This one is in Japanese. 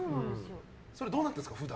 それどうなってるんですか？